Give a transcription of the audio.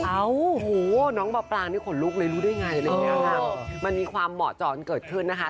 โอ้โหน้องมาปรางเนี่ยขนลุกเลยรู้ได้ไงมันมีความเหมาะจรเกิดขึ้นนะคะ